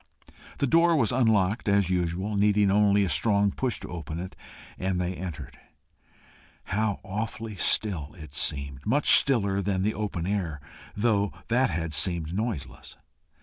The door was unlocked as usual, needing only a strong push to open it, and they entered. How awfully still it seemed! much stiller than the open air, though that had seemed noiseless.